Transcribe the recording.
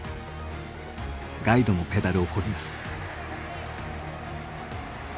ガイドもペダルをこぎます。